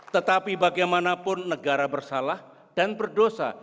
tetapi bagaimanapun negara bersalah dan berdosa